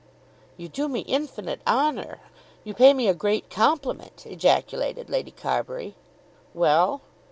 "You do me infinite honour. You pay me a great compliment," ejaculated Lady Carbury. "Well?"